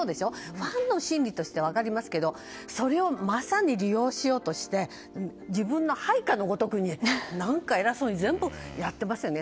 ファンの心理としては分かりますけどそれを正に利用しようとして自分の配下のごとく何か偉そうに全部やってますよね。